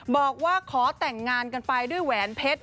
บอกว่าขอแต่งงานกันไปด้วยแหวนเพชร